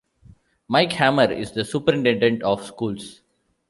Mike Hammer is the Superintendent of Schools.